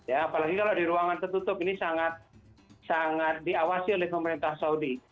apalagi kalau di ruangan tertutup ini sangat diawasi oleh pemerintah saudi